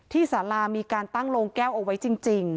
สารามีการตั้งโรงแก้วเอาไว้จริง